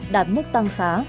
đạt mức tăng khá